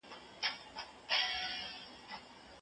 ویډیوګانو ته دقت ډېر مهم دی.